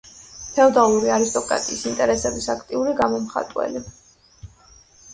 ფეოდალური არისტოკრატიის ინტერესების აქტიური გამომხატველი.